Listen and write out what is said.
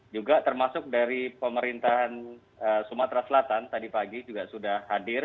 juga termasuk dari pemerintahan sumatera selatan tadi pagi juga sudah hadir